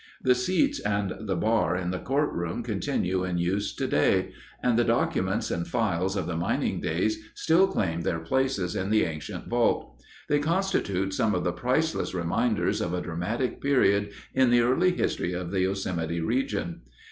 The seats and the bar in the courtroom continue in use today, and the documents and files of the mining days still claim their places in the ancient vault. They constitute some of the priceless reminders of a dramatic period in the early history of the Yosemite region.